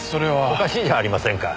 おかしいじゃありませんか。